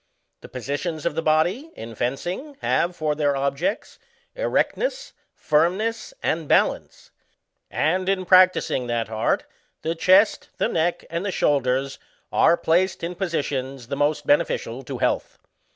The positions of the body, in fencing, have, for their objects, erectness, firmness, and balance ; and, in practising that art, the chest, the neck, and the shoulders, are placed in positions the most beneficial to . health.